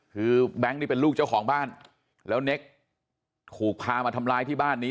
คือแบงค์นี่เป็นลูกเจ้าของบ้านแล้วเน็กถูกพามาทำร้ายที่บ้านนี้